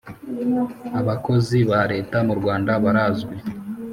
abakozi ba Leta murwanda barazwi